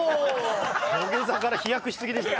土下座から飛躍し過ぎですって。